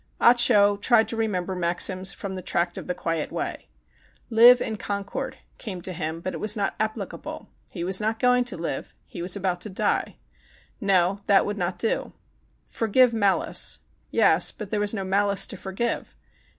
Ah Cho tried to remember maxims from "The Tract of the Quiet Way." "Live in concord," came to him; but it was not appli cable. He was not going to live. He was about to die. No, that would not do. "For give malice" ã yes, but there was no malice to forgive.